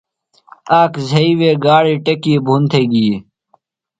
آک زھئی وےگاڑیۡ ٹیکی بُھن تھےۡ گی۔